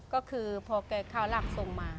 ก็คือพอเขาหลังส่งมา